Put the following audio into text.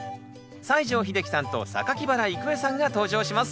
西城秀樹さんと原郁恵さんが登場します